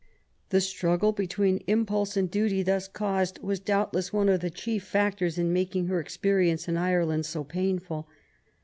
The struggle between impulse and duty thus caused was doubtless one of the chief factors in making her experiences in Ireland so painful.